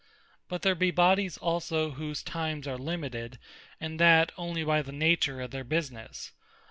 But there be Bodies also whose times are limited, and that only by the nature of their businesse.